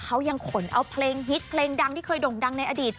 เขายังขนเอาเพลงฮิตเพลงดังที่เคยด่งดังในอดีต